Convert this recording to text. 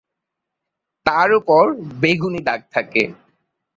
তার ওপর বেগুনী দাগ থাকে।